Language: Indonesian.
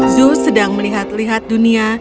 zoo sedang melihat lihat dunia